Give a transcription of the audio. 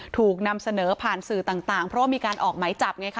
ถูกนำเสนอผ่านสื่อต่างเพราะว่ามีการออกไหมจับไงค่ะ